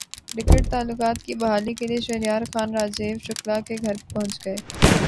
cricket تعلقات کی بحالی کیلئے شہریار خان راجیو شکلا کے گھرپہنچ گئے